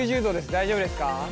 大丈夫ですか？